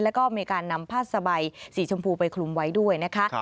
แล้วก็มีการนำผ้าสบายสีชมพูไปคลุมไว้ด้วยนะคะ